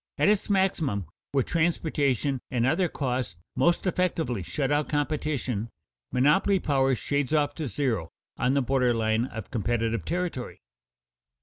At its maximum where transportation and other costs most effectually shut out competition, monopoly power shades off to zero on the border line of competitive territory.